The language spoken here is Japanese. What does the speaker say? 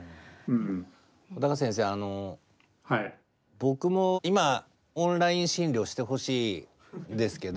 僕も今オンライン診療してほしいんですけど。